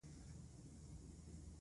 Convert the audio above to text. بدرنګه سړی خپل ځان هم نه خوښوي